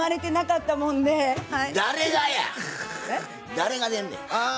誰がでんねん？